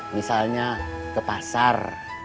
misalnya ke pasar